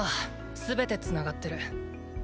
全て繋がってる。